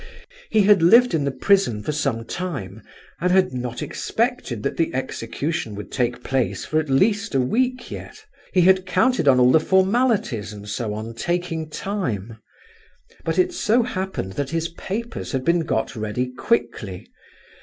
He had lived in the prison for some time and had not expected that the execution would take place for at least a week yet—he had counted on all the formalities and so on taking time; but it so happened that his papers had been got ready quickly.